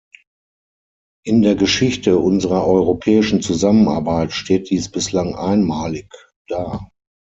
In der Geschichte unserer europäischen Zusammenarbeit steht dies bislang einmalig da.